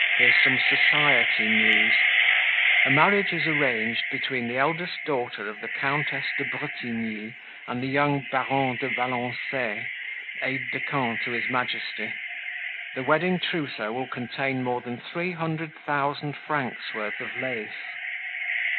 "Here's some society news: 'A marriage is arranged between the eldest daughter of the Countess de Bretigny and the young Baron de Valancay, aide de camp to His Majesty. The wedding trousseau will contain more than three hundred thousand francs' worth of lace."